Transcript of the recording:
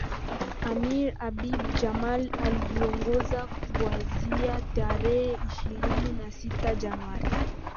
Amir Habib Jamal aliongoza kuanzia tarehe ishirini na sita Januari